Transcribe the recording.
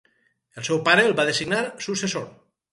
El seu pare el va designar successor.